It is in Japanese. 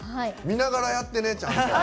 見ながらやってねちゃんと。